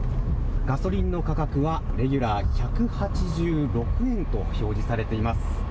ガソリンの価格はレギュラー１８６円と表示されています。